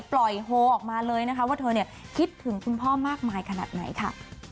โฮออกมาเลยนะคะว่าเธอคิดถึงคุณพ่อมากมายขนาดไหนค่ะ